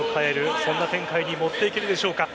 そんな展開に持っていけるでしょうか。